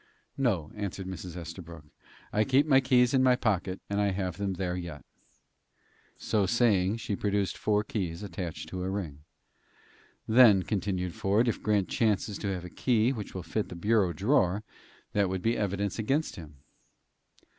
"No," answered Mrs. Estabrook. "I keep my keys in my pocket, and I have them there yet." So saying, she produced four keys attached to a ring. "Then," continued Ford, "if Grant chances to have a key which will fit the bureau drawer, that would be evidence against him."